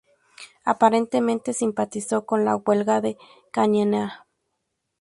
Aparentemente simpatizó con la Huelga de Cananea.